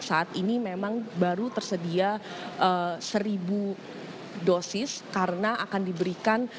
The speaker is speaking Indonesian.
saat ini memang baru tersedia seribu dosis karena akan diberikan